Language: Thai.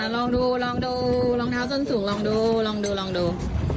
ลองดูลองดูรองเท้าส้นสูงลองดูลองดูลองดู